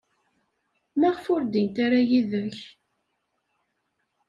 Maɣef ur ddint ara yid-k?